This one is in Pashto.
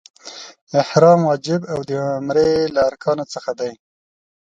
احرام واجب او د عمرې له ارکانو څخه دی.